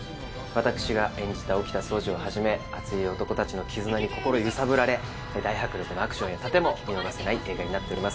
私が演じた沖田総司をはじめ熱い男たちの絆に心揺さぶられ大迫力のアクションや殺陣も見逃せない映画になっております。